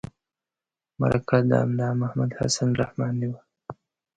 مرکه د ملا محمد حسن رحماني وه.